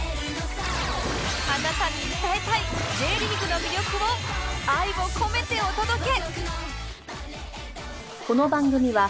あなたに伝えたい Ｊ リーグの魅力を愛を込めてお届け！